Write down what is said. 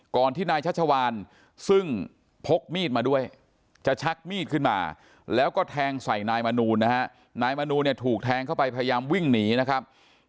ที่นายชัชวานซึ่งพกมีดมาด้วยจะชักมีดขึ้นมาแล้วก็แทงใส่นายมนูลนะฮะนายมนูเนี่ยถูกแทงเข้าไปพยายามวิ่งหนีนะครับ